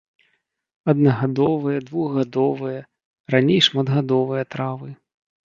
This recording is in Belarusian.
Аднагадовыя, двухгадовыя, радзей шматгадовыя травы.